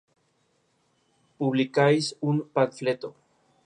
Estudió en Central West Junior High y posteriormente en Owen Paterson High.